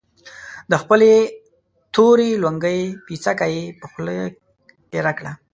د خپلې تورې لونګۍ پيڅکه يې پر خوله تېره کړه.